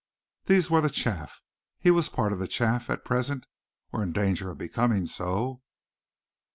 These were the chaff. He was a part of the chaff at present, or in danger of becoming so.